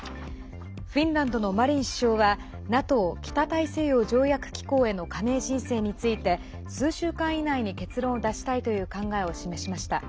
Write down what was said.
フィンランドのマリン首相はＮＡＴＯ＝北大西洋条約機構への加盟申請について数週間以内に結論を出したいという考えを示しました。